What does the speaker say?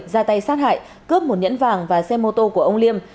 ra tay sát hại cướp một nhẫn vàng và xe mô tô của ông liêm